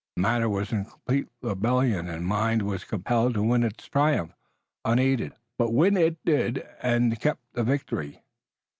Matter was in complete rebellion and mind was compelled to win its triumph, unaided, but win it did and kept the victory.